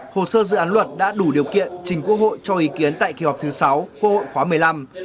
hồ sơ dự án luật đã đủ điều kiện trình quốc hội cho ý kiến tại kỳ họp thứ sáu quốc hội khóa một mươi năm